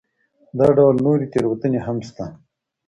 دا ډول نورې تېروتنې هم شته.